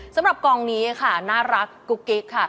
สำหรับกองนี้ค่ะน่ารักกุ๊กกิ๊กค่ะ